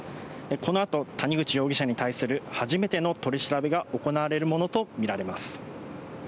このあと谷口容疑者に対する初めての取り調べが行われるものと見られます。